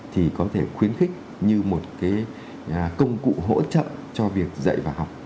thì có thể khuyến khích như một cái công cụ hỗ trợ cho việc dạy và học